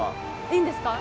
いいんですか？